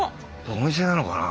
お店なのかな？